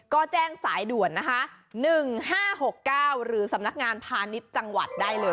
ก็แจ้งสายด่วนนะคะ๑๕๖๙หรือสำนักงานพาณิชย์จังหวัดได้เลย